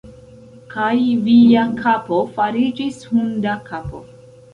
Kaj via kapo fariĝis hunda kapo!